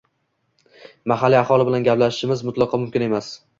mahalliy aholi bilan gaplashishimiz mutlaqo mumkin emas.